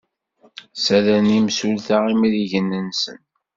Ssadren yimsulta imrigen-nsen.